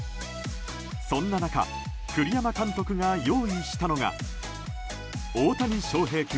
そんな中栗山監督が用意したのが「大谷翔平君